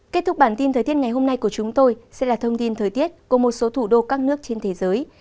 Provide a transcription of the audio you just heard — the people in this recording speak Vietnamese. kết thúc bản tin thời tiết ngày hôm nay của chúng tôi sẽ là thông tin thời tiết của một số thủ đô các nước trên thế giới